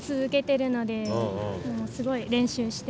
すごい練習して。